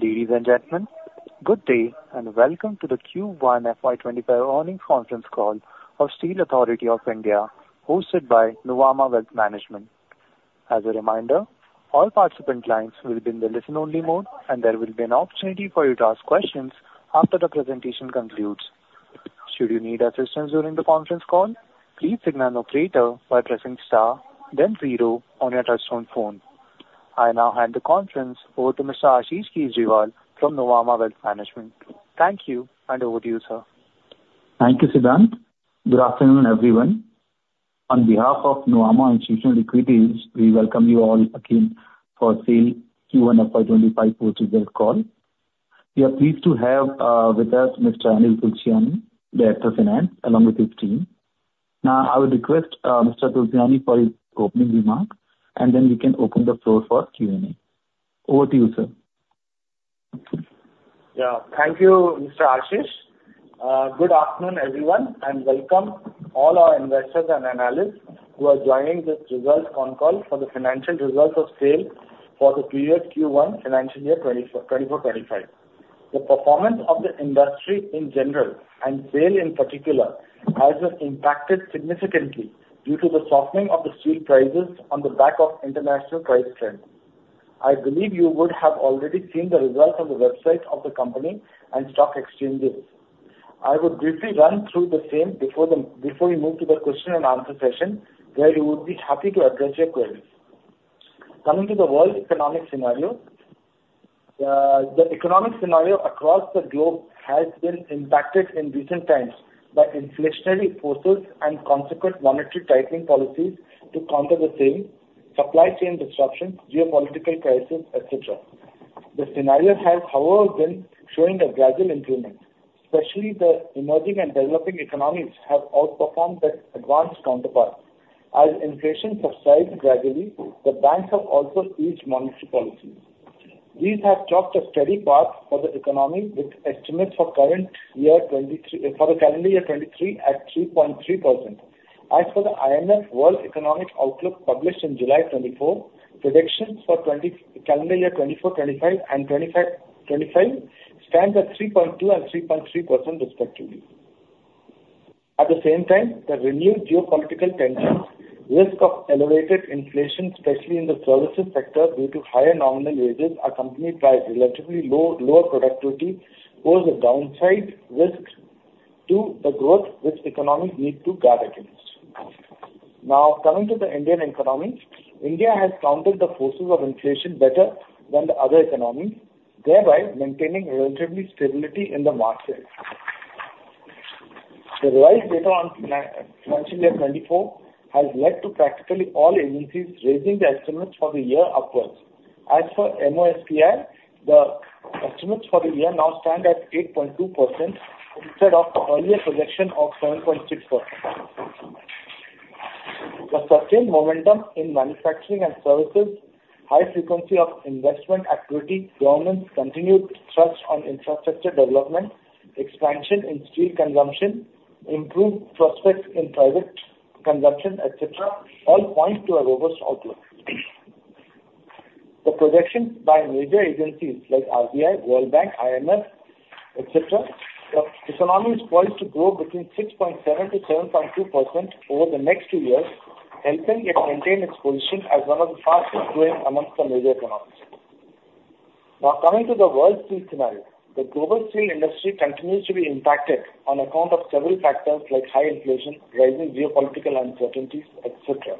Ladies and gentlemen, good day, and welcome to the Q1 FY 2025 earnings conference call of Steel Authority of India, hosted by Nuvama Wealth Management. As a reminder, all participant lines will be in the listen-only mode, and there will be an opportunity for you to ask questions after the presentation concludes. Should you need assistance during the conference call, please signal an operator by pressing star then zero on your touchtone phone. I now hand the conference over to Mr. Ashish Kejriwal from Nuvama Wealth Management. Thank you, and over to you, sir. Thank you, Siddhant. Good afternoon, everyone. On behalf of Nuvama Institutional Equities, we welcome you all again for SAIL Q1 FY 2025 post results call. We are pleased to have, with us Mr. Anil Tulsiani, Director of Finance, along with his team. Now, I would request, Mr. Tulsiani for his opening remarks, and then we can open the floor for Q&A. Over to you, sir. Yeah. Thank you, Mr. Ashish. Good afternoon, everyone, and welcome all our investors and analysts who are joining this results con call for the financial results of SAIL for the period Q1, financial year 2024-2025. The performance of the industry in general, and SAIL in particular, has been impacted significantly due to the softening of the steel prices on the back of international price trend. I believe you would have already seen the results on the website of the company and stock exchanges. I would briefly run through the same before the, before we move to the question and answer session, where we would be happy to address your queries. Coming to the world economic scenario, the economic scenario across the globe has been impacted in recent times by inflationary forces and consequent monetary tightening policies to counter the same supply chain disruptions, geopolitical crisis, et cetera. The scenario has, however, been showing a gradual improvement. Especially the emerging and developing economies have outperformed their advanced counterparts. As inflation subsides gradually, the banks have also eased monetary policy. These have tracked a steady path for the economy, with estimates for current year 2023 for the calendar year 2023 at 3.3%. As for the IMF World Economic Outlook, published in July 2024, predictions for 2024, calendar year 2024, 2025 and 2025, 2025 stands at 3.2% and 3.3% respectively. At the same time, the renewed geopolitical tensions, risk of elevated inflation, especially in the services sector due to higher nominal wages, accompanied by relatively low, lower productivity, pose a downside risk to the growth, which economies need to guard against. Now, coming to the Indian economy. India has countered the forces of inflation better than the other economies, thereby maintaining relatively stability in the markets. The revised data on financial year 2024 has led to practically all agencies raising the estimates for the year upwards. As for MOSPI, the estimates for the year now stand at 8.2%, instead of the earlier projection of 7.6%. The sustained momentum in manufacturing and services, high frequency of investment activity, government's continued thrust on infrastructure development, expansion in steel consumption, improved prospects in private consumption, et cetera, all point to a robust outlook. The projections by major agencies like RBI, World Bank, IMF, etc., the economy is poised to grow between 6.7%-7.2% over the next 2 years, helping it maintain its position as one of the fastest growing among the major economies. Now, coming to the world steel scenario. The global steel industry continues to be impacted on account of several factors like high inflation, rising geopolitical uncertainties, etc.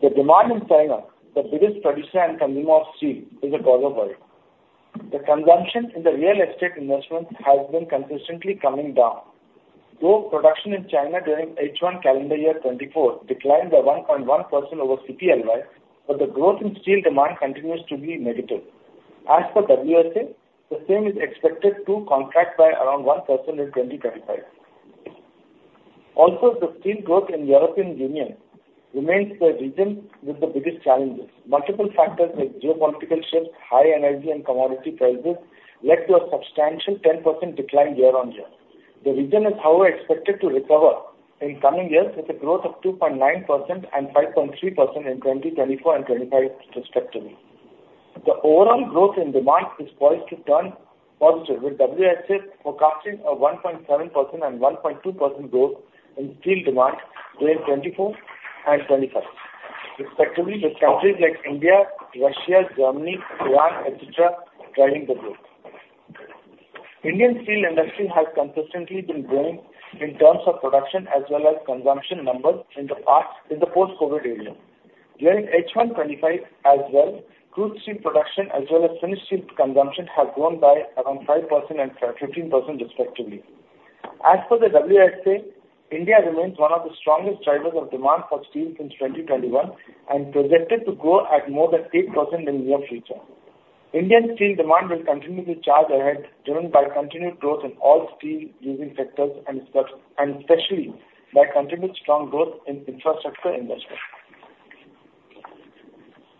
The demand in China, the biggest producer and consumer of steel, is a cause of worry. The consumption in the real estate investment has been consistently coming down. Though production in China during H1 calendar year 2024 declined by 1.1% over CPLY, but the growth in steel demand continues to be negative. As for WSA, the same is expected to contract by around 1% in 2025. Also, the steel growth in the European Union remains the region with the biggest challenges. Multiple factors, like geopolitical shifts, high energy and commodity prices, led to a substantial 10% decline year-on-year. The region is, however, expected to recover in coming years, with a growth of 2.9% and 5.3% in 2024 and 2025 respectively. The overall growth in demand is poised to turn positive, with WSA forecasting a 1.7% and 1.2% growth in steel demand during 2024 and 2025, respectively, with countries like India, Russia, Germany, Iran, et cetera, driving the growth. Indian steel industry has consistently been growing in terms of production as well as consumption numbers in the past, in the post-COVID era. During H1 2025 as well, crude steel production as well as finished steel consumption have grown by around 5% and 10%-15% respectively. As for the WSA, India remains one of the strongest drivers of demand for steel since 2021 and projected to grow at more than 8% in near future. Indian steel demand will continue to charge ahead, driven by continued growth in all steel using sectors and especially by continued strong growth in infrastructure investment.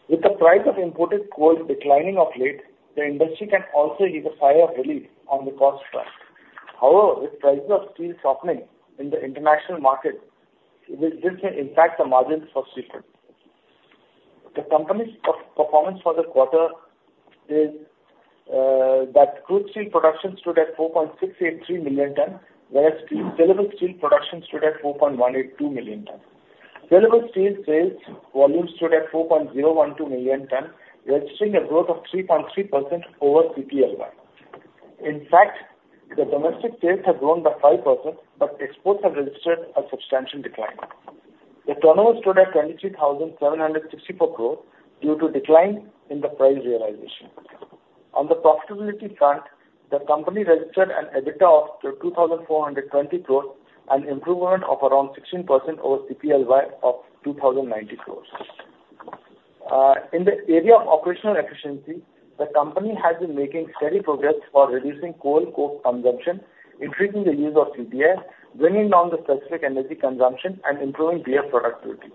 With the price of imported coal declining of late, the industry can also heave a sigh of relief on the cost front. However, with prices of steel softening in the international market, this may impact the margins for steel plant. The company's performance for the quarter is that crude steel production stood at 4.683 million tonnes, whereas saleable steel production stood at 4.182 million tonnes. Saleable steel sales volume stood at 4.012 million tonnes, registering a growth of 3.3% over CPLY. In fact, the domestic sales have grown by 5%, but exports have registered a substantial decline. The turnover stood at 23,764 crore due to decline in the price realization. On the profitability front, the company registered an EBITDA of 2,420 crore, an improvement of around 16% over CPLY of 2,090 crore. In the area of operational efficiency, the company has been making steady progress for reducing coal coke consumption, increasing the use of CDI, bringing down the specific energy consumption and improving BF productivity.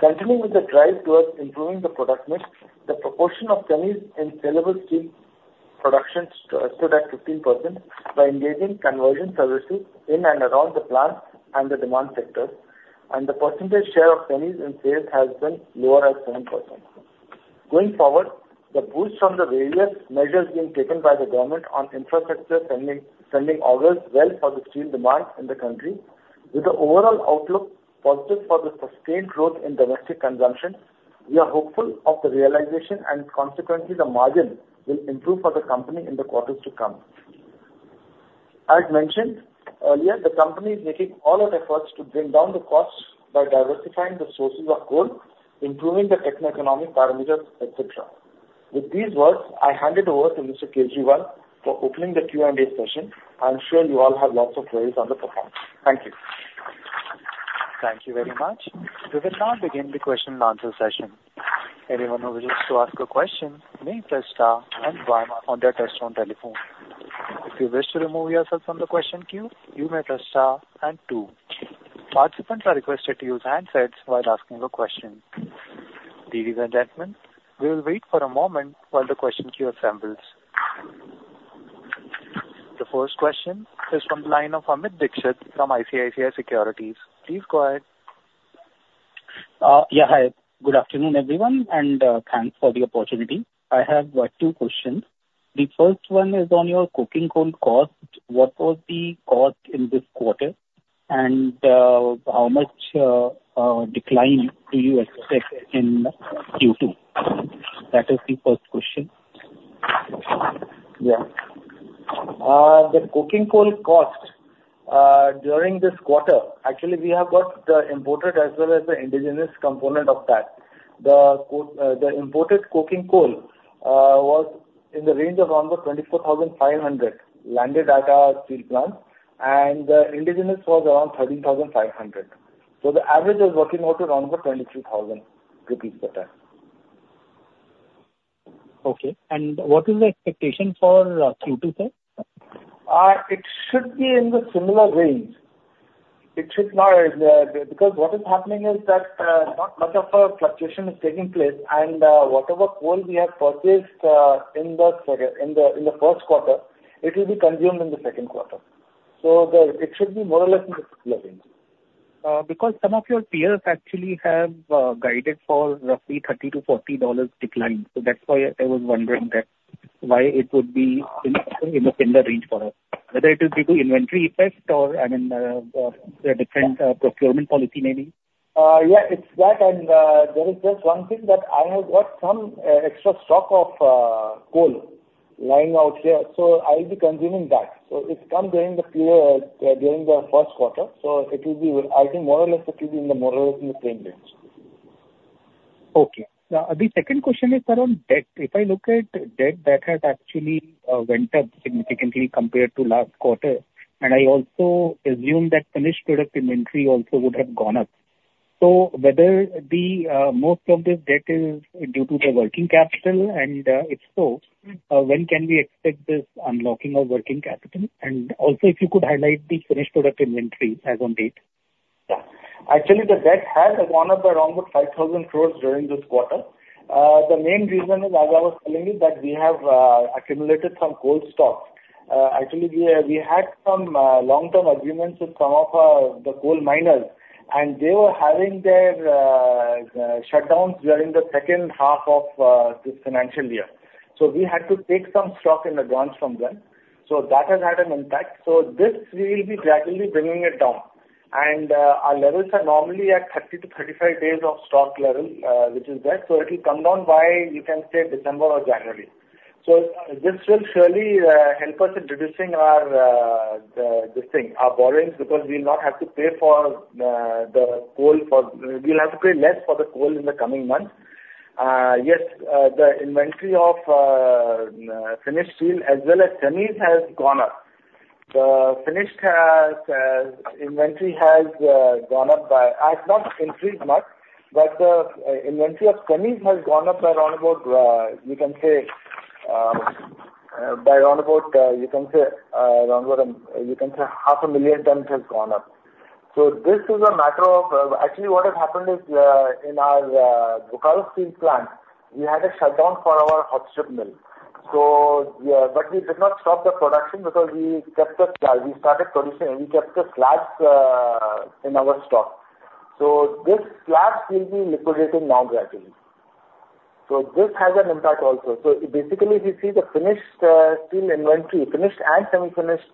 Continuing with the drive towards improving the product mix, the proportion of semis and saleable steel production stood at 15% by engaging conversion services in and around the plant and the demand sector, and the percentage share of semis in sales has been lower at 7%. Going forward, the boost from the various measures being taken by the government on infrastructure spending bodes well for the steel demand in the country, with the overall outlook positive for the sustained growth in domestic consumption, we are hopeful of the realization and consequently, the margin will improve for the company in the quarters to come. As mentioned earlier, the company is making all out efforts to bring down the costs by diversifying the sources of coal, improving the techno-economic parameters, et cetera. With these words, I hand it over to Mr. Kejriwal for opening the Q&A session. I'm sure you all have lots of queries on the performance. Thank you. Thank you very much. We will now begin the question and answer session. Anyone who wishes to ask a question, may press star and one on their touchtone telephone. If you wish to remove yourself from the question queue, you may press star and two. Participants are requested to use handsets while asking a question. Ladies and gentlemen, we will wait for a moment while the question queue assembles. The first question is from the line of Amit Dixit, from ICICI Securities. Please go ahead. Yeah, hi. Good afternoon, everyone, and thanks for the opportunity. I have two questions. The first one is on your coking coal cost. What was the cost in this quarter? And how much decline do you expect in Q2? That is the first question. Yeah. The coking coal cost during this quarter, actually, we have got the imported as well as the indigenous component of that. The imported coking coal was in the range of around 24,500, landed at our steel plant, and the indigenous was around 13,500. So the average is working out to around 22,000 rupees per tonne. Okay. And what is the expectation for Q2, sir? It should be in the similar range. It should not, because what is happening is that, not much of a fluctuation is taking place, and, whatever coal we have purchased, in the first quarter, it will be consumed in the second quarter. So, it should be more or less in the same range. Because some of your peers actually have guided for roughly $30-$40 decline. So that's why I was wondering that, why it would be in a similar range for us. Whether it is due to inventory effect or, I mean, a different procurement policy maybe? Yeah, it's that, and there is just one thing that I have got some extra stock of coal lying out here, so I'll be consuming that. So it's come during the first quarter, so it will be, I think, more or less, it will be in the more or less in the same range. Okay. The second question is around debt. If I look at debt, that has actually went up significantly compared to last quarter, and I also assume that finished product inventory also would have gone up. So whether the most of the debt is due to the working capital, and if so, when can we expect this unlocking of working capital? And also, if you could highlight the finished product inventory as on date. Yeah. Actually, the debt has gone up by around about 5,000 crore during this quarter. The main reason is, as I was telling you, that we have accumulated some coal stock. Actually, we had some long-term agreements with some of the coal miners, and they were having their shutdowns during the second half of this financial year. So we had to take some stock in advance from them. So that has had an impact. So this, we will be gradually bringing it down. And our levels are normally at 30-35 days of stock level, which is there. So it will come down by, you can say, December or January. So this will surely help us in reducing our the thing our borrowings, because we'll not have to pay for the coal for. We'll have to pay less for the coal in the coming months. Yes, the inventory of finished steel as well as semis has gone up. The finished inventory has not increased much, but the inventory of semis has gone up by around half a million tonnes. So this is a matter of actually what has happened is in our Bokaro Steel Plant, we had a shutdown for our hot strip mill. So, yeah, but we did not stop the production because we kept the slag. We started producing and we kept the slags in our stock. So this slags will be liquidated now gradually. So this has an impact also. So basically, we see the finished steel inventory, finished and semi-finished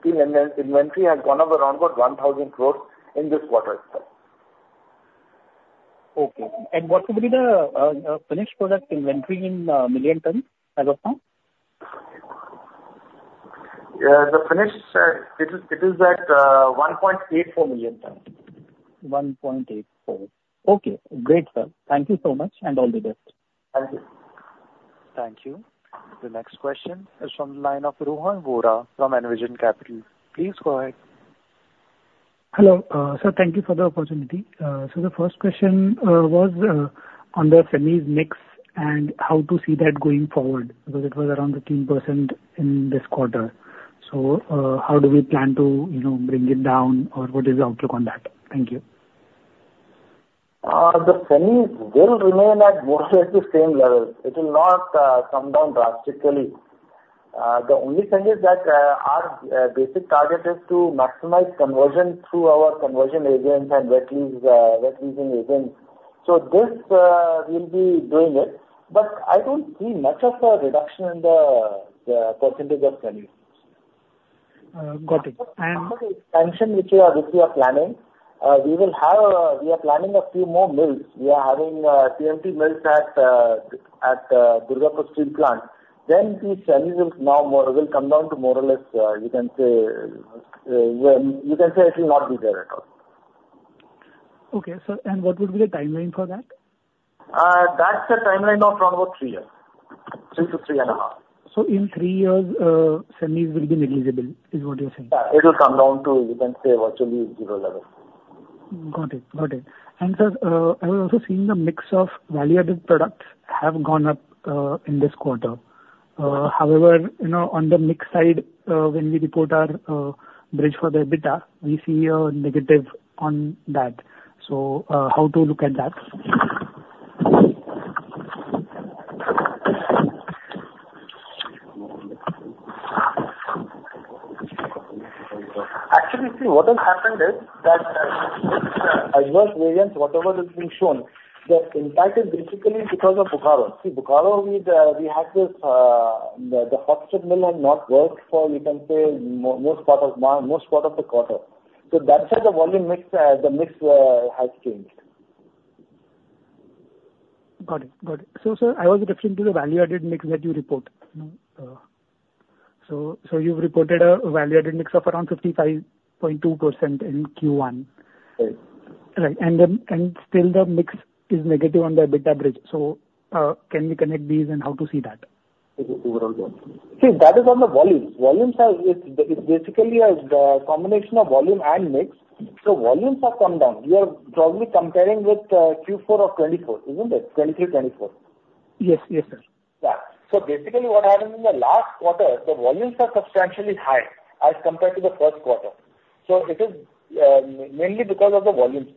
steel inventory has gone up around about 1,000 crore in this quarter itself. Okay. What would be the finished product inventory in million tonnes as of now? The finished, it is, it is at 1.84 million tonnes. 1.84. Okay, great, sir. Thank you so much, and all the best. Thank you. Thank you. The next question is from the line of Rohan Vora from Envision Capital. Please go ahead. Hello, sir, thank you for the opportunity. So the first question was on the semis mix and how to see that going forward, because it was around 13% in this quarter. So, how do we plan to, you know, bring it down, or what is the outlook on that? Thank you. The semis, they will remain at mostly at the same level. It will not come down drastically. The only thing is that our basic target is to maximize conversion through our conversion agents and wet lease, wet leasing agents. So this we'll be doing it, but I don't see much of a reduction in the percentage of semis. Got it. And- function which we are, which we are planning, we will have, we are planning a few more mills. We are having TMT mills at Durgapur Steel Plant. Then these semis will now more, will come down to more or less, you can say, well, you can say it will not be there at all. Okay, sir, and what would be the timeline for that? That's the timeline of around about 3 years. 3 to 3.5. So in three years, semis will be negligible, is what you're saying? Yeah, it will come down to, you can say, virtually zero level. Got it. Got it. And, sir, I was also seeing the mix of value-added products have gone up in this quarter. However, you know, on the mix side, when we report our bridge for the EBITDA, we see a negative on that. So, how to look at that? Actually, see, what has happened is that, adverse variance, whatever has been shown, the impact is basically because of Bokaro. See, Bokaro, we'd, we had this, the hot strip mill had not worked for, you can say, most part of the quarter. So that's why the volume mix, the mix, has changed. Got it. Got it. So, sir, I was referring to the value-added mix that you report. So, you've reported a value-added mix of around 55.2% in Q1. Right. Right. And then, and still the mix is negative on the EBITDA bridge. So, can you connect these and how to see that? See, that is on the volumes. Volumes are, it's, it's basically a combination of volume and mix, so volumes have come down. You are probably comparing with Q4 of 2024, isn't it? 2023, 2024. Yes. Yes, sir. Yeah. So basically, what happened in the last quarter, the volumes are substantially high as compared to the first quarter, so it is mainly because of the volumes.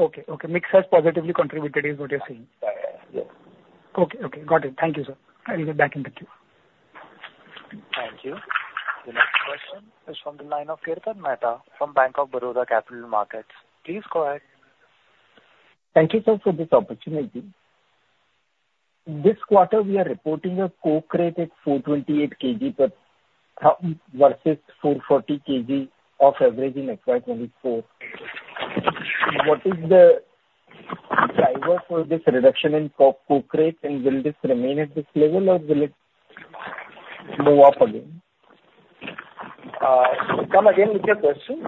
Okay, okay. Mix has positively contributed, is what you're saying? Uh, yes. Okay, okay. Got it. Thank you, sir. I will get back in the queue. Thank you. The next question is from the line of Kirtan Mehta from Bank of Baroda Capital Markets. Please go ahead. Thank you, sir, for this opportunity. This quarter, we are reporting a coke rate at 428 kg per tonne versus 440 kg average in FY 2024. What is the driver for this reduction in coke rate, and will this remain at this level, or will it go up again? Come again with your question.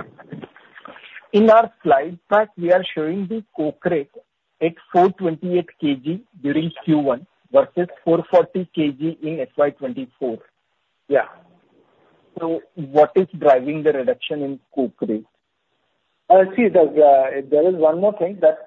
In our slide pack, we are showing the coke rate at 428 kg during Q1 versus 440 kg in FY 2024. Yeah. What is driving the reduction in coke rate? See, there is one more thing that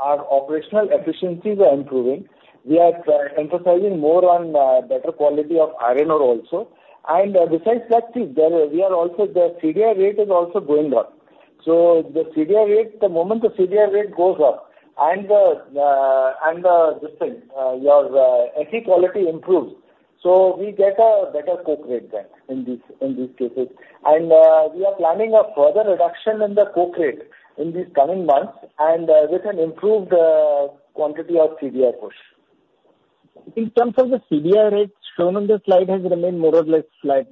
our operational efficiencies are improving. We are emphasizing more on better quality of iron ore also. And, besides that, see, there, we are also, the CDI rate is also going up. So the CDI rate, the moment the CDI rate goes up and the, and the this thing, your Fe quality improves, so we get a better coke rate then in these, in these cases. And, we are planning a further reduction in the coke rate in these coming months, and with an improved quantity of CDI push. In terms of the CDI rate, shown on the slide has remained more or less flat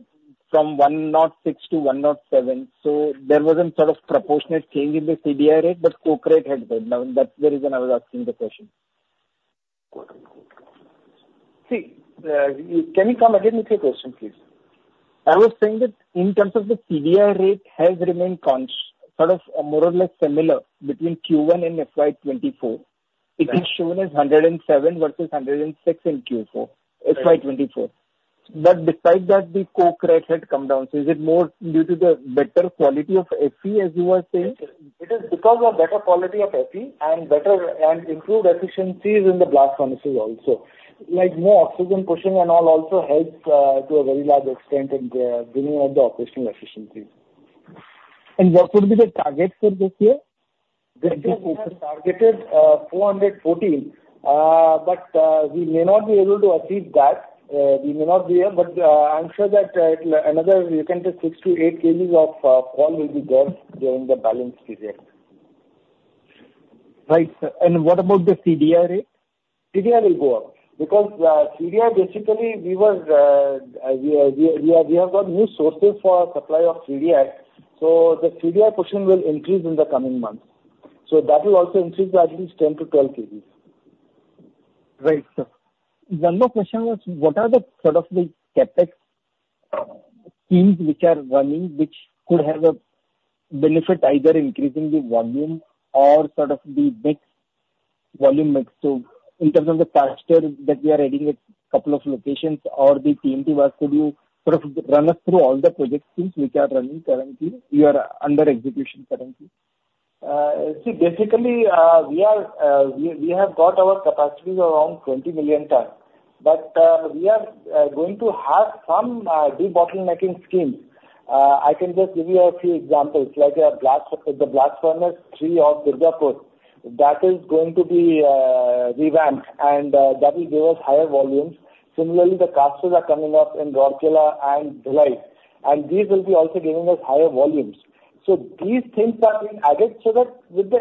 from 1.06 to 1.07, so there wasn't sort of proportionate change in the CDI rate, but coke rate had gone down. That's the reason I was asking the question. See, can you come again with your question, please? I was saying that in terms of the CDI rate has remained sort of more or less similar between Q1 and FY 24. Right. It is shown as 107 versus 106 in Q4- Right. FY 2024. But besides that, the coke rate had come down, so is it more due to the better quality of Fe, as you were saying? It is because of better quality of Fe and better, and improved efficiencies in the blast furnaces also. Like, more oxygen pushing and all also helps to a very large extent in bringing up the operational efficiencies.. What would be the target for this year? This year we have targeted 414, but we may not be able to achieve that. We may not be able, but I'm sure that it'll another, you can say 6-8 kg of coal will be there during the balance period. Right. And what about the CDR rate? CDI will go up because, CDI, basically, we have got new sources for supply of CDI. So the CDI portion will increase in the coming months. So that will also increase by at least 10-12 kg. Right, sir. One more question was, what are the sort of the CapEx teams which are running, which could have a benefit, either increasing the volume or sort of the mix, volume mix? So in terms of the caster that we are adding a couple of locations or the TMT work, could you sort of run us through all the project teams which are running currently, you are under execution currently? See, basically, we are, we have got our capacities around 20 million tonnes, but we are going to have some debottlenecking schemes. I can just give you a few examples, like our blast, the Blast Furnace 3 of Durgapur. That is going to be revamped, and that will give us higher volumes. Similarly, the casters are coming up in Rourkela and Bhilai, and these will be also giving us higher volumes. So these things are being added so that with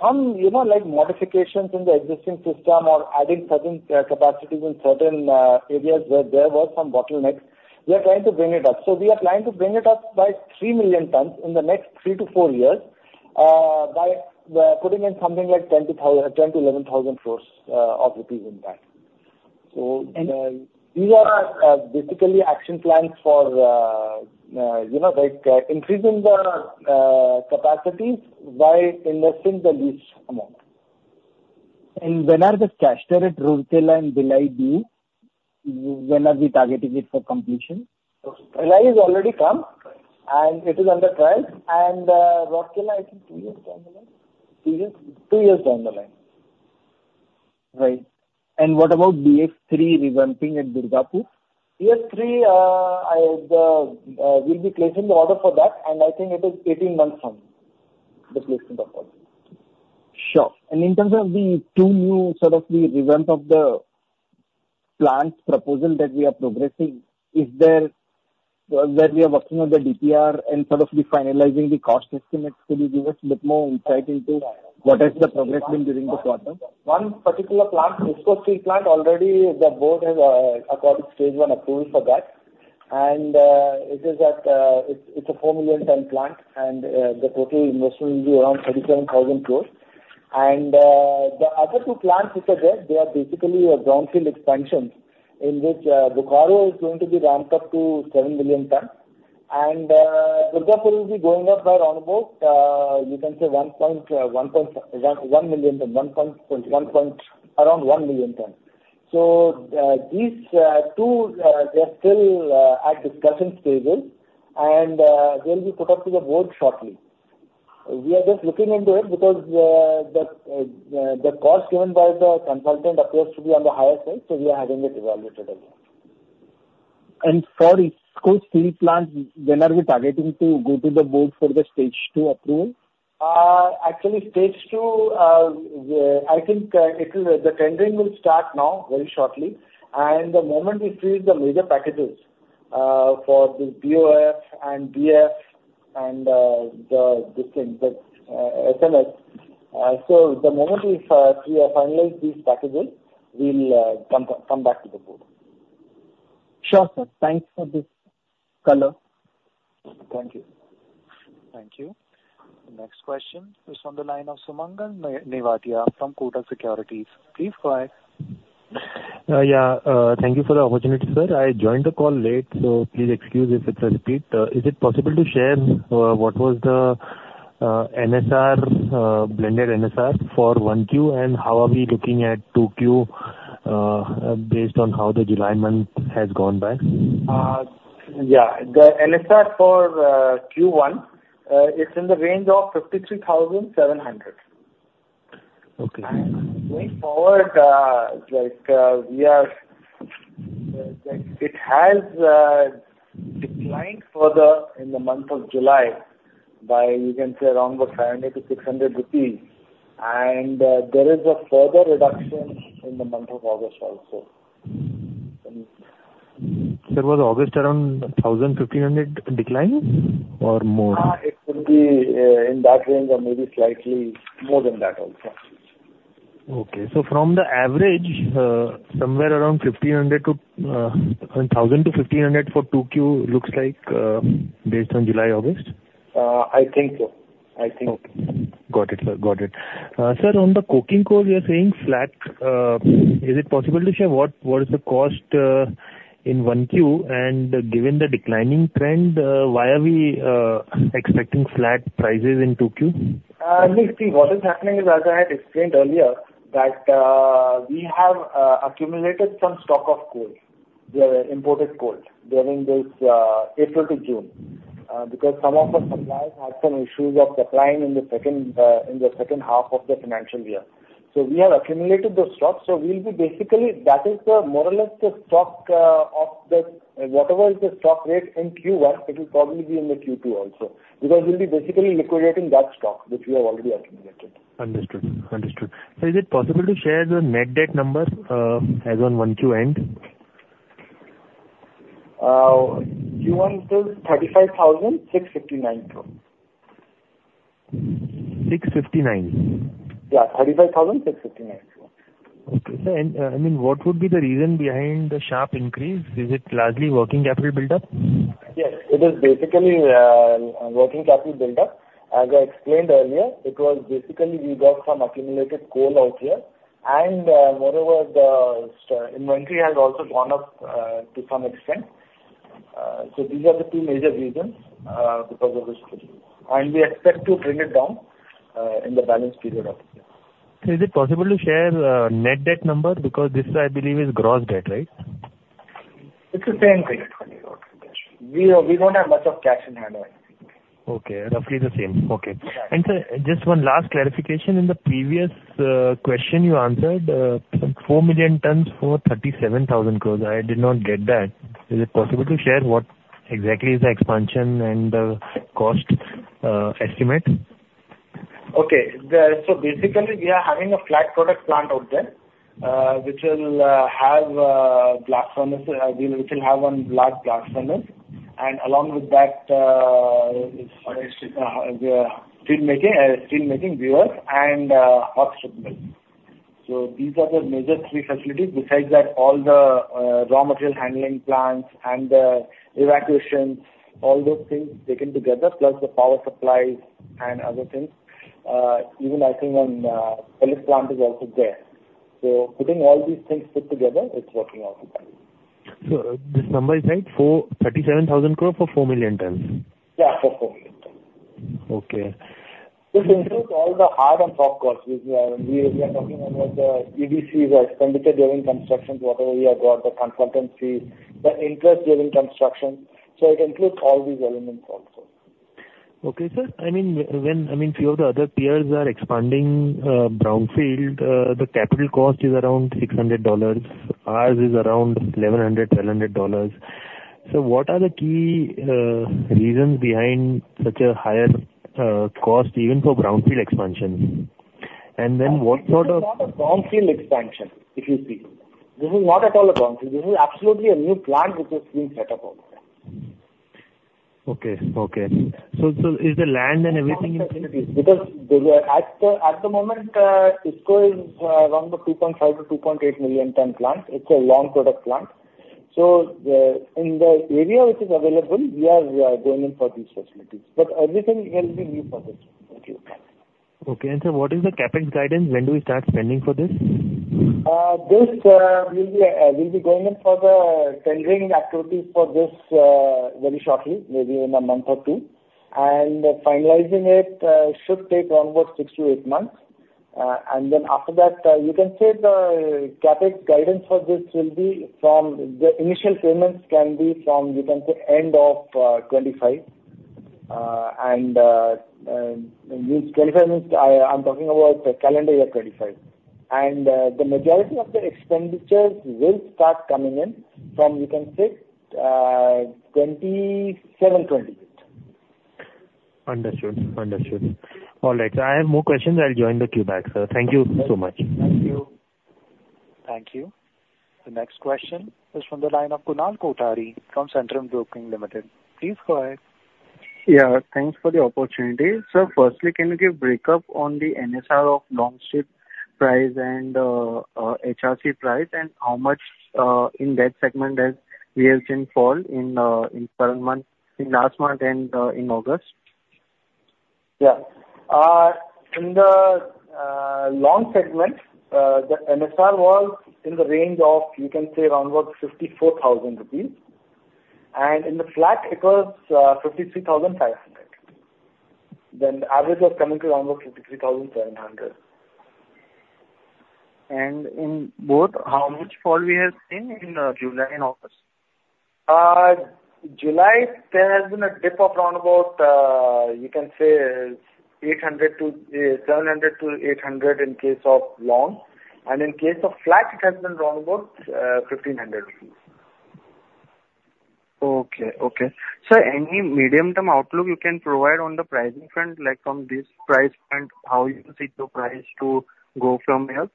some, you know, like, modifications in the existing system or adding certain capacities in certain areas where there were some bottlenecks, we are trying to bring it up. So we are trying to bring it up by 3 million tonnes in the next 3-4 years, by putting in something like 10,000-11,000 crore rupees in that. So these are basically action plans for, you know, like, increasing the capacities by investing the least amount. When are the caster at Rourkela and Bhilai due? When are we targeting it for completion? Bhilai has already come, and it is under trial. Rourkela, I think two years down the line. Two years? Two years down the line. Right. What about BF3 revamping at Durgapur? BF3, we'll be placing the order for that, and I think it is 18 months from the placement of order. Sure. And in terms of the two new sort of the revamp of the plant proposal that we are progressing, is there, where we are working on the DPR and sort of the finalizing the cost estimates, could you give us a bit more insight into what is the progress been during the quarter? One particular plant, ISP plant, already the board has approved stage one approval for that. It is a 4 million tonne plant, and the total investment will be around 37,000 crore. The other two plants which are there, they are basically a brownfield expansion, in which Bokaro is going to be ramped up to 7 million tonnes, and Durgapur will be going up by around about, you can say 1.1 million tonne, around 1 million tonne. These two, they're still at discussion stages, and they'll be put up to the board shortly. We are just looking into it because the cost given by the consultant appears to be on the higher side, so we are having it evaluated again. For Visakhapatnam steel plant, when are we targeting to go to the board for the stage two approval? Actually, stage two, I think it will. The tendering will start now, very shortly, and the moment we freeze the major packages for the BOF and BF and the SMS. So the moment we have finalized these packages, we'll come back to the board. Sure, sir. Thanks for this call. Thank you. Thank you. Next question is on the line of Sumangal Nevatia from Kotak Securities. Please go ahead. Yeah, thank you for the opportunity, sir. I joined the call late, so please excuse if it's a repeat. Is it possible to share what was the NSR, blended NSR for 1Q, and how are we looking at 2Q, based on how the July month has gone by? Yeah. The NSR for Q1, it's in the range of 53,700. Okay. Going forward, like, we are, like, it has declined further in the month of July by, you can say, around about 500-600 rupees, and there is a further reduction in the month of August also. Sir, was August around 1,000, 1,500 decline or more? It could be in that range or maybe slightly more than that also. Okay. From the average, somewhere around 1,500 to 1,000 to 1,500 for 2Q, looks like, based on July, August? I think so. I think. Okay. Got it, sir. Got it. Sir, on the coking coal, we are saying flat. Is it possible to share what, what is the cost in one Q, and given the declining trend, why are we expecting flat prices in two Q? Let's see. What is happening is, as I had explained earlier, that, we have accumulated some stock of coal, we have imported coal during this, April to June, because some of our suppliers had some issues of supplying in the second, in the second half of the financial year. So we have accumulated the stock, so we'll be basically, that is the more or less the stock, and whatever is the stock rate in Q1, it will probably be in the Q2 also, because we'll be basically liquidating that stock which we have already accumulated. Understood. Understood. Sir, is it possible to share the net debt numbers, as on 1Q end? Q1 is 35,659 crore. Six fifty-nine? Yeah, 35,659 crore. Okay. Sir, and, I mean, what would be the reason behind the sharp increase? Is it largely working capital build-up? Yes, it is basically working capital build-up. As I explained earlier, it was basically we got some accumulated coal out here, and moreover, the inventory has also gone up to some extent. So these are the two major reasons because of this. We expect to bring it down in the balance period of the year. Sir, is it possible to share net debt number? Because this, I believe, is gross debt, right? It's the same thing. We don't have much of cash in hand. Okay, roughly the same. Okay. Right. Sir, just one last clarification, in the previous question you answered, some 4,000,000 tonnes for 37,000 crore. I did not get that. Is it possible to share what exactly is the expansion and the cost estimate? Okay. So basically we are having a flat product plant out there, which will have one large blast furnace, and along with that, steelmaking via BOF and oxygen equipment. So these are the major three facilities. Besides that, all the raw material handling plants and the evacuations, all those things taken together, plus the power supplies and other things, even I think on pellet plant is also there. So putting all these things put together, it's working out well. This number is right, 37,000 crore for 4,000,000 tonnes? Yeah, for 4 million tonne. Okay. This includes all the hard and soft costs, which, we are talking about the EDC, the expenditure during construction, whatever we have got, the consultancy, the interest during construction. So it includes all these elements also. Okay, sir. I mean, when, I mean, few of the other peers are expanding, brownfield, the capital cost is around $600, ours is around $1,100-$1,200. So what are the key reasons behind such a higher cost even for brownfield expansion? And then what sort of- This is not a brownfield expansion, if you see. This is not at all a brownfield. This is absolutely a new plant which is being set up over there. Okay. So, is the land and everything included? Because at the moment, IISCO is around the 2.5-2.8 million-tonne plant. It's a long product plant. So in the area which is available, we are going in for these facilities. But everything here will be new for this particular plant. Okay. And sir, what is the CapEx guidance? When do we start spending for this? We'll be going in for the tendering activities for this very shortly, maybe in a month or two. Finalizing it should take around about six to eight months. Then after that, you can say the CapEx guidance for this will be from the initial payments can be from, you can say, end of 2025. This 2025 means I'm talking about the calendar year 2025. The majority of the expenditures will start coming in from, you can say, 2027, 2028. Understood. Understood. All right. I have more questions. I'll join the queue back, sir. Thank you so much. Thank you. Thank you. The next question is from the line of Kunal Kothari from Centrum Broking Limited. Please go ahead. Yeah, thanks for the opportunity. Sir, firstly, can you give breakup on the NSR of longs price and HRC price, and how much in that segment we have seen fall in current month, in last month and in August? Yeah. In the long segment, the NSR was in the range of, you can say, around about 54,000 rupees. And in the flat, it was 53,500. Then the average was coming to around about 53,700. In both, how much fall we have seen in July and August? July, there has been a dip of around about, you can say, 700-800 in case of long. And in case of flat, it has been around about 1,500 rupees. Okay. Okay. Sir, any medium-term outlook you can provide on the pricing front, like from this price point, how you see the price to go from here?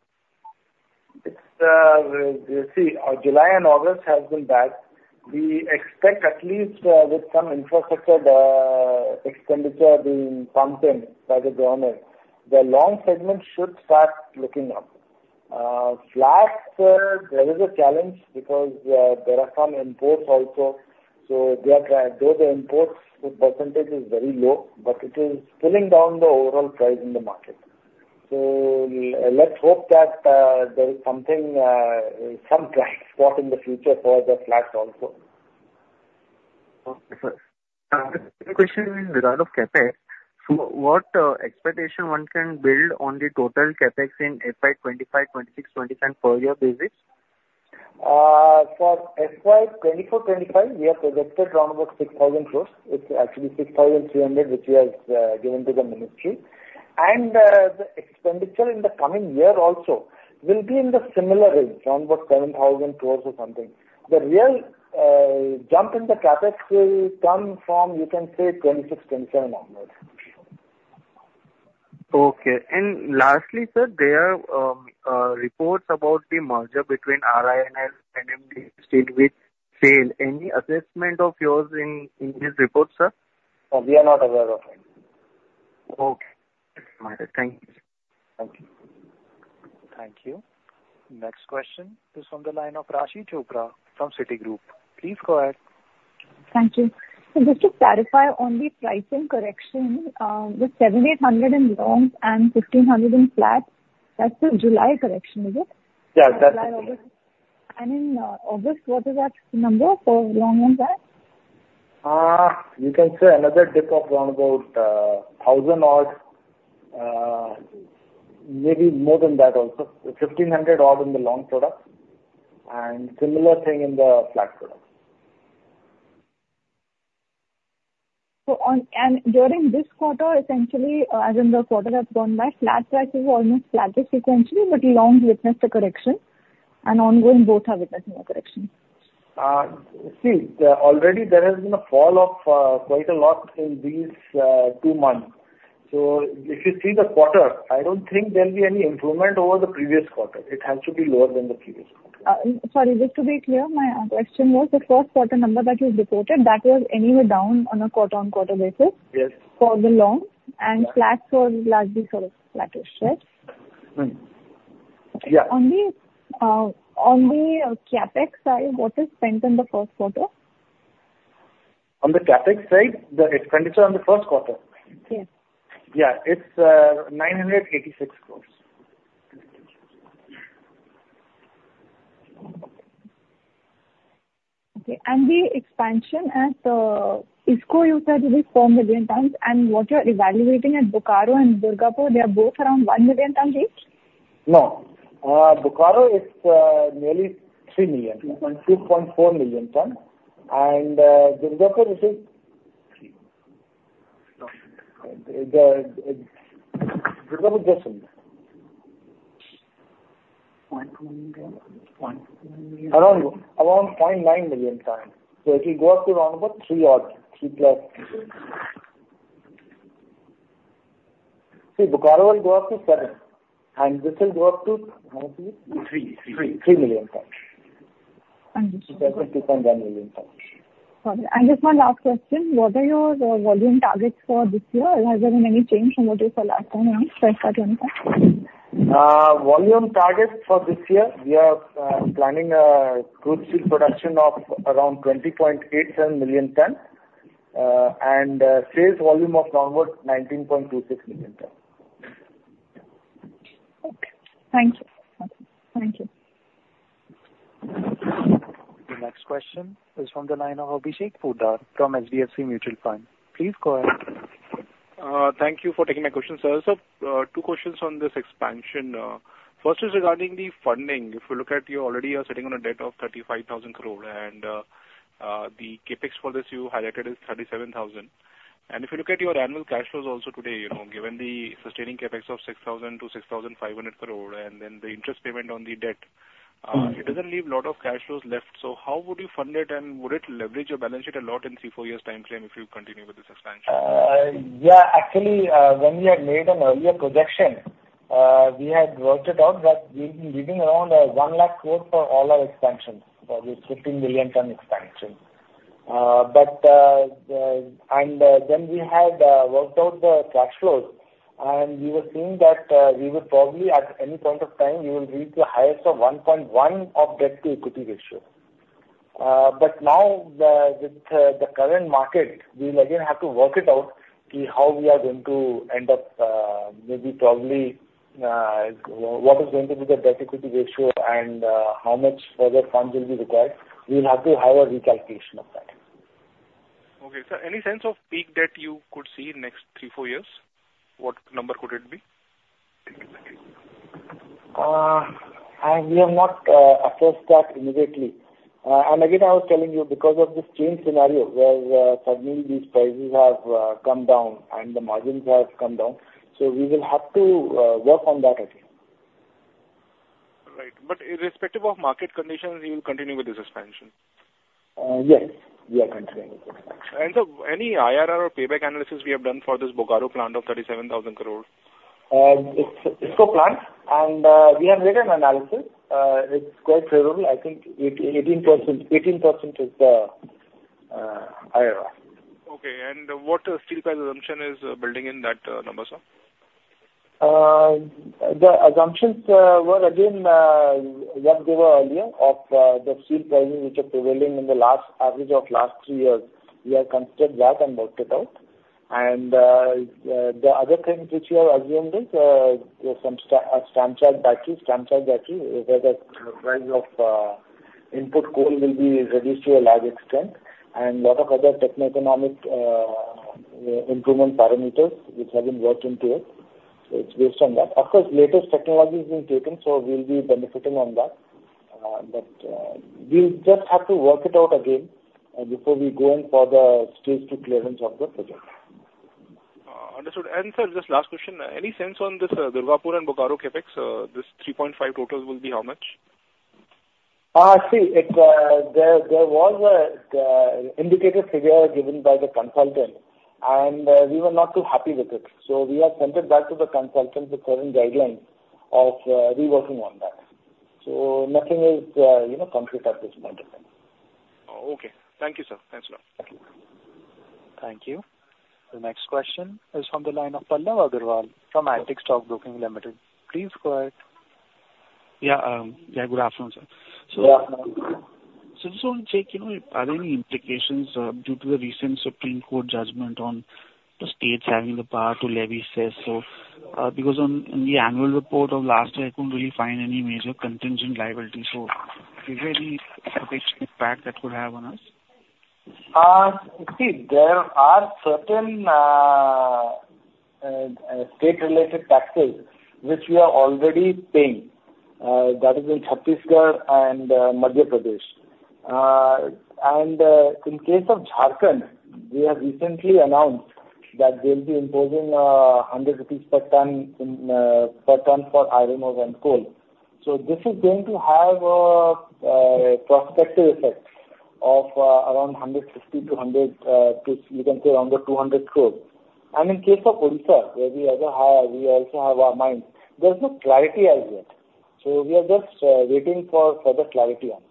It's, see, July and August has been bad. We expect at least, with some infrastructure, expenditure being pumped in by the government, the long segment should start looking up. Flats, there is a challenge because, there are some imports also. So there, though the imports, the percentage is very low, but it is pulling down the overall price in the market. So let's hope that, there is something, some bright spot in the future for the flats also. Okay, sir. The second question is around of CapEx. So what expectation one can build on the total CapEx in FY 2025, 2026, 2027 per year basis? For FY 2024-25, we have projected around about 6,000 crore. It's actually 6,300 crore, which we have given to the ministry. And, the expenditure in the coming year also will be in the similar range, around about 7,000 crore or something. The real jump in the CapEx will come from, you can say, 2026, 2027 onwards. Okay. And lastly, sir, there are reports about the merger between RINL and NMDC, which failed. Any assessment of yours in this report, sir? We are not aware of it. Okay. Thank you, sir. Thank you. Thank you. Next question is from the line of Raashi Chopra from Citigroup. Please go ahead. Thank you. Just to clarify on the pricing correction, with 7,800 in longs and 1,500 in flats, that's the July correction, is it? Yeah, that's it. In August, what is that number for long and flat? You can say another dip of around about 1,000-odd, maybe more than that also. 1,500-odd in the long product, and similar thing in the flat product. So, on and during this quarter, essentially, as in the quarter has gone by, flat prices are almost flattest sequentially, but longs witnessed a correction, and ongoing both are witnessing a correction. See, there's already been a fall of quite a lot in these two months. So if you see the quarter, I don't think there will be any improvement over the previous quarter. It has to be lower than the previous quarter. Sorry, just to be clear, my question was the first quarter number that you reported, that was anyway down on a quarter-on-quarter basis. Yes. for the long, and flats was largely sort of flattish, right? Mm-hmm. Yeah. On the CapEx side, what is spent in the first quarter? On the CapEx side, the expenditure on the first quarter? Yes. Yeah, it's INR 986 crore. Okay. And the expansion at IISCO, you said it is 4 million tonnes, and what you are evaluating at Bokaro and Durgapur, they are both around 1 million tonne each? No. Bokaro is nearly 3 million tonne, 2.4 million tonne. And Durgapur this is. Durgapur, just a minute. 0.1 million. 0.9 million. Around 0.9 million tonne. So it will go up to around about 3 odd, 3 plus. See, Bokaro will go up to 7, and this will go up to, how much is it? Three, three. 3 million tonne. Understood. 2.1 million tonnes. Sorry, and just one last question. What are your volume targets for this year, and has there been any change from what you said last time around, say, last quarter? Volume targets for this year, we are planning crude steel production of around 20.87 million tonne, and sales volume of around 19.26 million tonne. Okay. Thank you. Thank you. The next question is from the line of Abhishek Poddar from HDFC Securities. Please go ahead. Thank you for taking my question, sir. So, two questions on this expansion. First is regarding the funding. If you look at, you already are sitting on a debt of 35,000 crore and, the CapEx for this you highlighted is 37,000. And if you look at your annual cash flows also today, you know, given the sustaining CapEx of 6,000-6,500 crore, and then the interest payment on the debt- Mm-hmm. It doesn't leave a lot of cash flows left. So how would you fund it, and would it leverage your balance sheet a lot in 3-4 years' time frame if you continue with this expansion? Yeah, actually, when we had made an earlier projection, we had worked it out that we'll be needing around 100,000 crore for all our expansions, for this 15 million tonne expansion. But then we had worked out the cash flows, and we were seeing that we would probably, at any point of time, we will reach the highest of 1.1 debt-to-equity ratio. But now, with the current market, we will again have to work it out, see how we are going to end up, maybe probably, what is going to be the debt-equity ratio and how much further funds will be required. We will have to have a recalculation of that. Okay, sir. Any sense of peak debt you could see in next three, four years? What number could it be? We have not assessed that immediately. And again, I was telling you, because of this changed scenario, where suddenly these prices have come down and the margins have come down, so we will have to work on that again. Right. But irrespective of market conditions, you will continue with this expansion? Yes, we are continuing with the expansion. Sir, any IRR or payback analysis we have done for this Bokaro plant of 37,000 crore? It's a plant, and we have made an analysis. It's quite favorable. I think it, 18%, 18% is the IRR. Okay, and what steel price assumption is building in that number, sir? The assumptions were again what they were earlier of the steel pricing which are prevailing in the last, average of last three years. We have considered that and worked it out. The other things which we have assumed is some stamp charging, where the price of input coal will be reduced to a large extent, and lot of other techno-economic improvement parameters which have been worked into it. So it's based on that. Of course, latest technology has been taken, so we'll be benefiting on that. We'll just have to work it out again before we go in for the strategic clearance of the project. Understood. And sir, just last question, any sense on this Durgapur and Bokaro CapEx, this 3.5 total will be how much? See, there was an indicated figure given by the consultant, and we were not too happy with it. So we have sent it back to the consultant, the current guidelines of reworking on that. So nothing is, you know, concrete at this point in time. Oh, okay. Thank you, sir. Thanks a lot. Thank you. The next question is from the line of Pallav Agarwal from Antique Stock Broking Limited. Please go ahead. Yeah, yeah, good afternoon, sir. Yeah. So just want to check, you know, are there any implications due to the recent Supreme Court judgment on the states having the power to levy cess? So, because in the annual report of last year, I couldn't really find any major contingent liability. So is there any potential impact that could have on us? See, there are certain state-related taxes which we are already paying, that is in Chhattisgarh and Madhya Pradesh. In case of Jharkhand, we have recently announced that they'll be imposing 100 rupees per tonne for iron ore and coal. So this is going to have a prospective effect of around 150 to, you can say, around 200 crores. In case of Odisha, where we also have our mines, there's no clarity as yet. So we are just waiting for further clarity on this.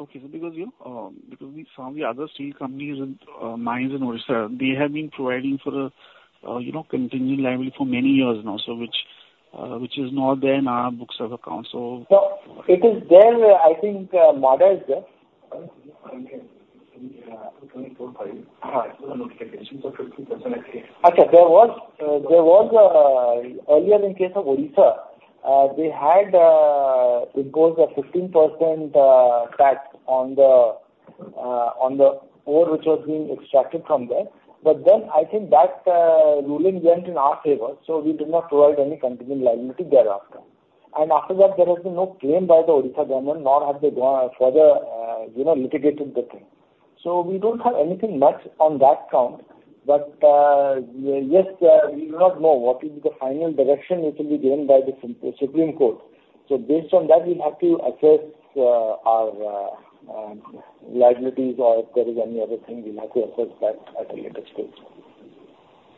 Okay. So because, you know, because we some of the other steel companies and, mines in Odisha, they have been providing for a, you know, continuing liability for many years now. So which, which is not there in our books of account. So- So it is there, I think, modest. There was a earlier in case of Odisha, we had imposed a 15% tax on the ore, which was being extracted from there. But then I think that ruling went in our favor, so we did not provide any continuing liability thereafter. And after that, there has been no claim by the Odisha government, nor have they gone further, you know, litigated the thing. So we don't have anything much on that count, but yes, we do not know what is the final direction, which will be given by the Supreme Court. So based on that, we'll have to assess our liabilities or if there is any other thing, we'll have to assess that at a later stage.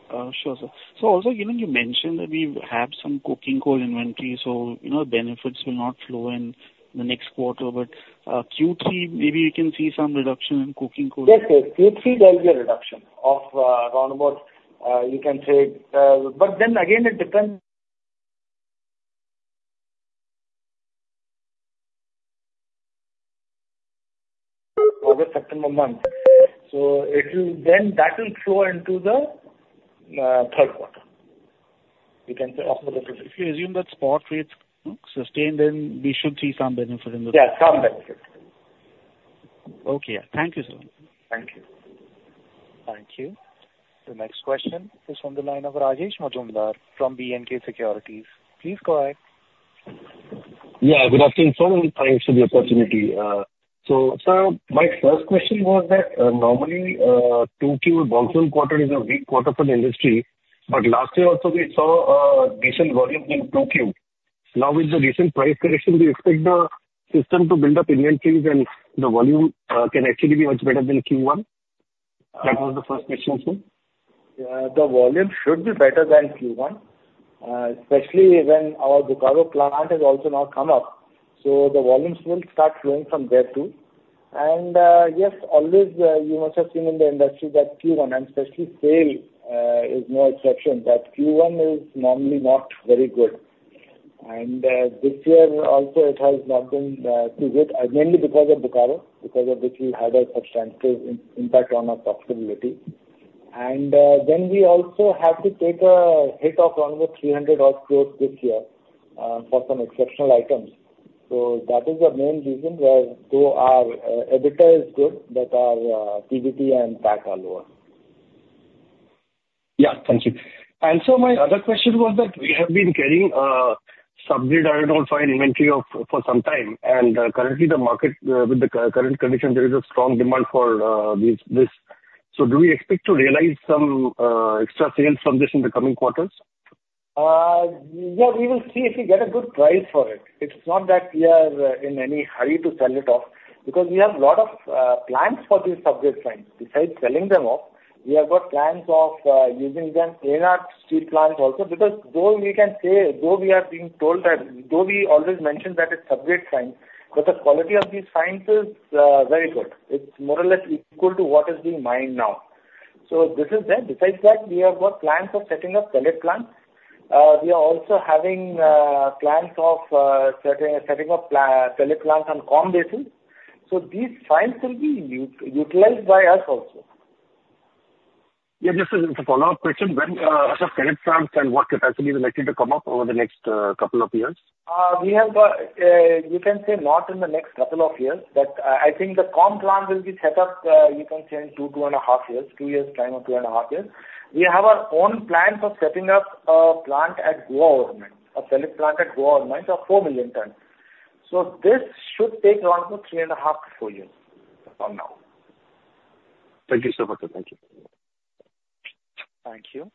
Sure, sir. So also, you know, you mentioned that we have some coking coal inventory, so, you know, benefits will not flow in the next quarter, but Q3, maybe you can see some reduction in coking coal? Yes, yes. Q3, there'll be a reduction of, around about, you can say. But then again, it depends—August, September month. So it will then, that will flow into the, third quarter. You can say after the— If you assume that spot rates sustain, then we should see some benefit in the- Yeah, some benefit. Okay. Thank you, sir. Thank you. Thank you. The next question is on the line of Rajesh Majumdar from B&K Securities. Please go ahead. Yeah, good afternoon, sir, and thanks for the opportunity. So sir, my first question was that, normally, 2Q Bokaro quarter is a weak quarter for the industry, but last year also, we saw, decent volume in 2Q. Now, with the recent price correction, do you expect the system to build up inventories and the volume, can actually be much better than Q1? That was the first question, sir. The volume should be better than Q1, especially when our Bokaro plant has also now come up, so the volumes will start flowing from there, too. And, yes, always, you must have seen in the industry that Q1, and especially SAIL, is no exception, but Q1 is normally not very good. And, this year also, it has not been too good, mainly because of Bokaro, because of which we had a substantial impact on our profitability. And, then we also have to take a hit of around about 300 crore this year, for some exceptional items. So that is the main reason why though our EBITDA is good, but our PBT and PAT are lower. Yeah. Thank you. And so my other question was that we have been carrying sub-grade iron ore fines inventory for some time, and currently the market with the current conditions, there is a strong demand for these, this. So do we expect to realize some extra sales from this in the coming quarters? Yeah, we will see if we get a good price for it. It's not that we are in any hurry to sell it off, because we have a lot of plans for these sub-grade fines. Besides selling them off, we have got plans of using them in our steel plant also. Because though we can say, though we are being told that, though we always mention that it's sub-grade fines, but the quality of these fines is very good. It's more or less equal to what is being mined now. So this is there. Besides that, we have got plans of setting up pellet plant. We are also having plans of setting up pellet plant on MDO basis. So these fines will be utilized by us also. Yeah, just as a follow-up question, when are the pellet plants and what capacity are likely to come up over the next couple of years? We have, you can say not in the next couple of years, but I think the MDO plant will be set up, you can say, in 2, 2.5 years, 2 years' time or 2.5 years. We have our own plans of setting up a plant at Gua ore mines, a pellet plant at Gua ore mines of 4 million tonnes. So this should take around about 3.5-4 years from now. Thank you so much, sir. Thank you. Thank you.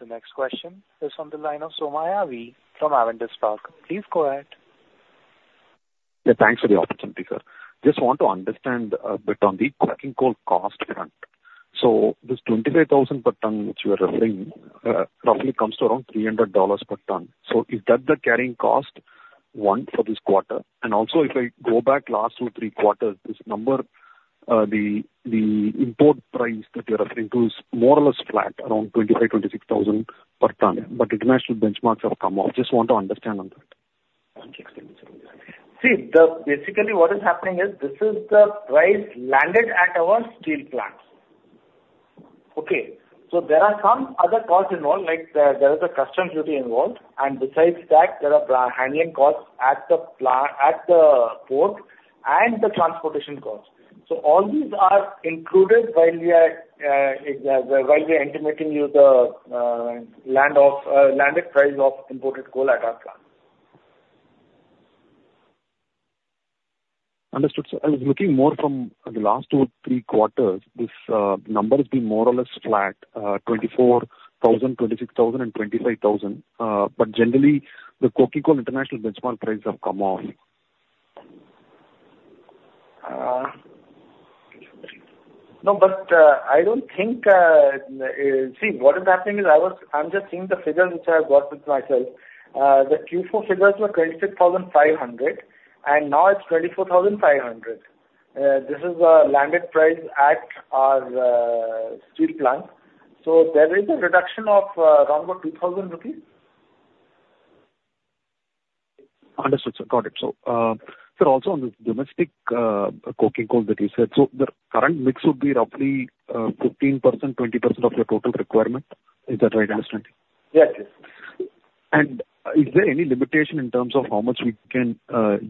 The next question is on the line of Somaiah V from Avendus Spark. Please go ahead. Yeah, thanks for the opportunity, sir. Just want to understand a bit on the coking coal cost. So this 25,000 per tonne, which you are referring, roughly comes to around $300 per tonne. So is that the carrying cost, one, for this quarter? And also, if I go back last two, three quarters, this number, the import price that you're referring to is more or less flat, around 25,000-26,000 per tonne, but international benchmarks have come up. Just want to understand on that. See, basically, what is happening is this is the price landed at our steel plants. Okay, so there are some other costs involved, like, there is a customs duty involved, and besides that, there are handling costs at the port and the transportation costs. So all these are included while we are while we are intimating you the land of landed price of imported coal at our plant. Understood, sir. I was looking more from the last two, three quarters. This number has been more or less flat, 24,000, 26,000 and 25,000. But generally, the coking coal international benchmark prices have come off. No, but I don't think. See, what is happening is I was-- I'm just seeing the figures which I have got with myself. The Q4 figures were 26,500, and now it's 24,500. This is the landed price at our steel plant. So there is a reduction of around about 2,000 rupees. Understood, sir. Got it. So, sir, also on the domestic coking coal that you said, so the current mix would be roughly 15%-20% of your total requirement. Is that right understanding? Yes. Is there any limitation in terms of how much we can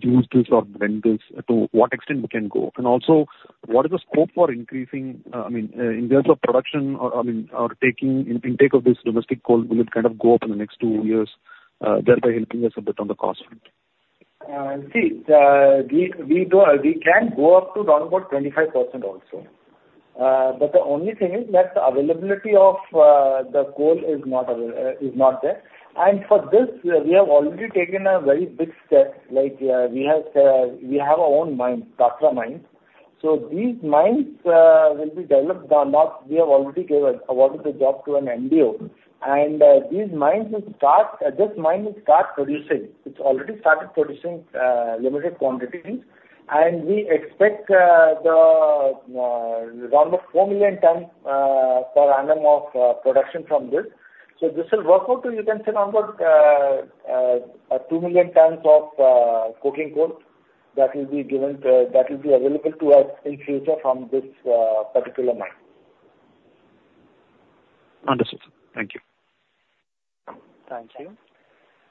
use this or blend this, to what extent we can go? And also, what is the scope for increasing, I mean, in terms of production or, I mean, or taking in intake of this domestic coal; will it kind of go up in the next two years, thereby helping us a bit on the cost front? See, we can go up to around about 25% also. But the only thing is that the availability of the coal is not there. And for this, we have already taken a very big step, like, we have our own mine, Tasra mine. So these mines will be developed. Now we have already awarded the job to an MDO. And these mines will start, this mine will start producing. It's already started producing limited quantities, and we expect the around about 4 million tonnes per annum of production from this. So this will work out to, you can say, around about 2 million tonnes of coking coal that will be given, that will be available to us in future from this particular mine. Understood, sir. Thank you. Thank you.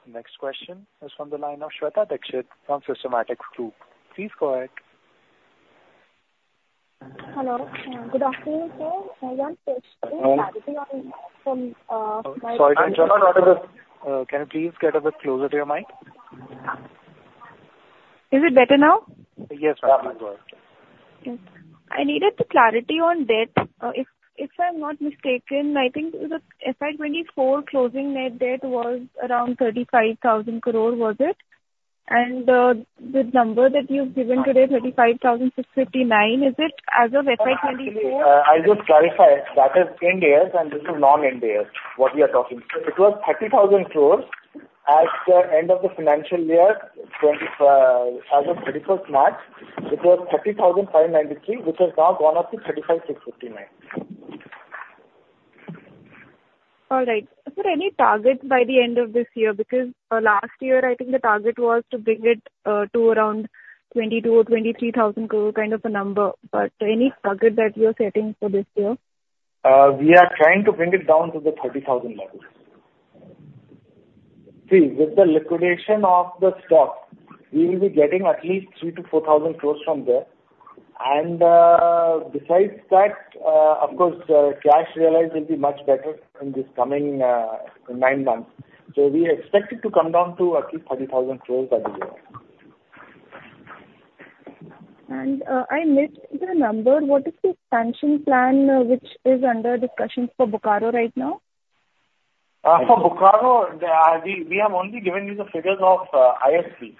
Next question is from the line of Shweta Dikshit from Systematix Group. Please go ahead. Hello. Good afternoon, sir. I want clarity on from- Sorry, can you please get a bit closer to your mic? Is it better now? Yes, ma'am. Good. Yes. I needed the clarity on debt. If I'm not mistaken, I think the FY 2024 closing net debt was around 35,000 crore, was it? And, the number that you've given today, 35,659 crore, is it as of FY 2024? I just clarify, that is Ind AS, and this is non-Ind AS, what we are talking. It was 30,000 crore at the end of the financial year 2020, as of 31st March, it was 30,593 crore, which has now gone up to 35,659 crore. All right. Is there any target by the end of this year? Because last year, I think the target was to bring it to around 22,000-23,000 crore, kind of a number. But any target that you are setting for this year? We are trying to bring it down to the 30,000 level. See, with the liquidation of the stock, we will be getting at least 3,000-4,000 crore from there. And, besides that, of course, cash realize will be much better in this coming 9 months. So we expect it to come down to at least 30,000 crore by this year. I missed the number. What is the expansion plan, which is under discussion for Bokaro right now? For Bokaro, we have only given you the figures of IISCO.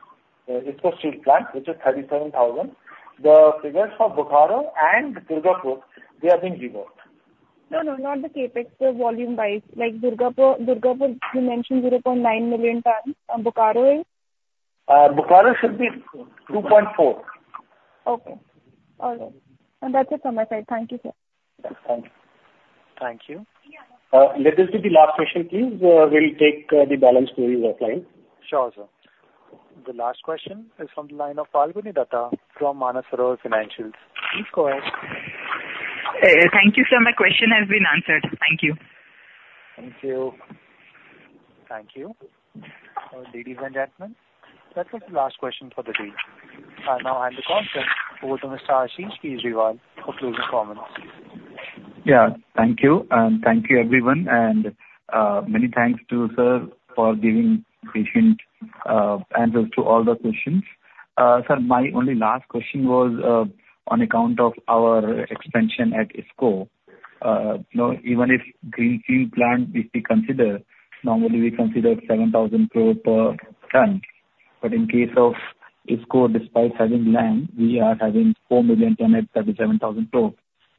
It's the steel plant, which is 37,000. The figures for Bokaro and Durgapur, they are being redone. No, no, not the CapEx, but volume-wise, like Durgapur, Durgapur, you mentioned 0.9 million tonnes. And Bokaro is? Bokaro should be 2.4. Okay. All right. And that's it from my side. Thank you, sir. Yes, thank you. Thank you. Let this be the last question, please. We'll take the balance through the line. Sure, sir. The last question is from the line of Falguni Dutta from Manasaro Financials. Please go ahead. Thank you, sir. My question has been answered. Thank you. Thank you. Thank you. Ladies and gentlemen, that was the last question for the day. I now hand the call over to Mr. Ashish Kejriwal for closing comments. Yeah, thank you. Thank you, everyone. Many thanks to sir for giving patient answers to all the questions. Sir, my only last question was on account of our expansion at IISCO. You know, even if greenfield plant, if we consider, normally we consider 7,000 crore per tonne. But in case of IISCO, despite having land, we are having 4 million tonne at 37,000 crore,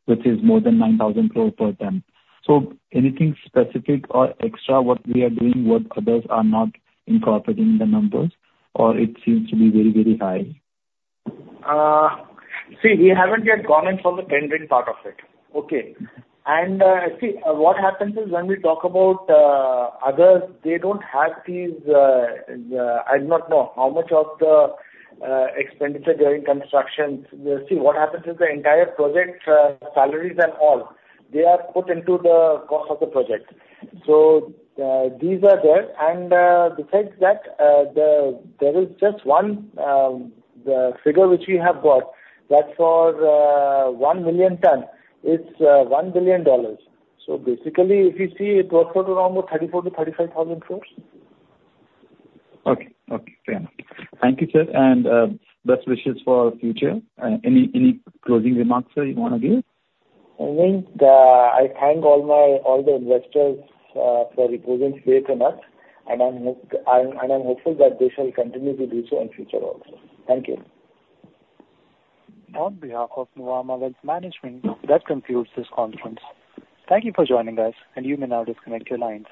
which is more than 9,000 crore per tonne. So anything specific or extra, what we are doing, what others are not incorporating the numbers, or it seems to be very, very high? See, we haven't yet gone in for the pending part of it. Okay. See, what happens is when we talk about others, they don't have these. I do not know how much of the expenditure during construction. See, what happens is the entire project, salaries and all, they are put into the cost of the project. So, these are there, and besides that, there is just one figure which we have got. That's for 1 million tonne. It's $1 billion. So basically, if you see, it works out around about 34,000 crore-35,000 crore. Okay. Okay, fair enough. Thank you, sir, and best wishes for future. Any closing remarks, sir, you want to give? I think I thank all the investors for their presence here tonight, and I'm hopeful that they shall continue to do so in future also. Thank you. On behalf of Nuvama Wealth Management, that concludes this conference. Thank you for joining us, and you may now disconnect your lines.